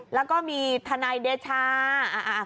แล้วก็มีธนายเดชาอ่า